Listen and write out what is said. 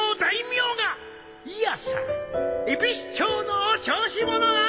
いやさえびす町のお調子者が！